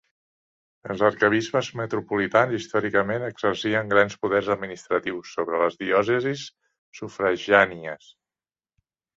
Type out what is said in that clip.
Els arquebisbes metropolitans històricament exercien grans poders administratius sobre les diòcesis sufragànies.